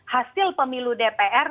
hasil pemilu dpr